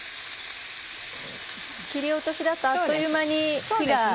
切り落としだとあっという間に火が。